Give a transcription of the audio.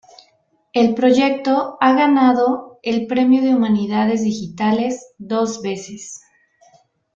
El proyecto ha ganado el "Premio de Humanidades Digitales" dos veces.